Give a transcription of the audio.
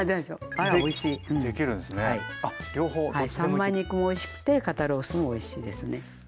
３枚肉もおいしくて肩ロースもおいしいですね。